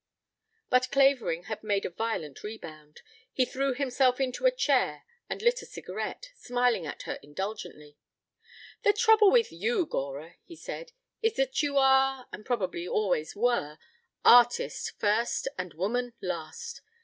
But Clavering had made a violent rebound. He threw himself into a chair and lit a cigarette, smiling at her indulgently. "The trouble with you, Gora," he said, "is that you are and probably always were artist first and woman last.